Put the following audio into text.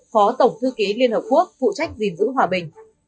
phó tổng thư ký liên hợp quốc phụ trách gìn giữ hòa bình